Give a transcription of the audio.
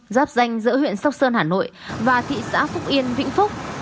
giáp danh giữa huyện sóc sơn hà nội và thị xã phúc yên vĩnh phúc